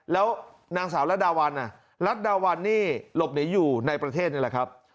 แล้วนางสาวรัดดาวันรัฐดาวันนี่หลบหนีอยู่ในประเทศนี่แหละครับ